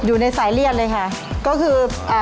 อยู่ในสายเลือดเลยค่ะ